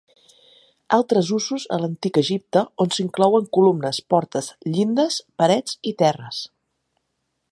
Altres usos a l'Antic Egipte on s'inclouen columnes, portes, llindes, parets i terres.